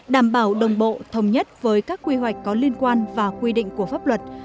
đảm bảo đồng bộ thống nhất với các quy hoạch có liên quan và quy định của pháp luật